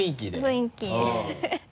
雰囲気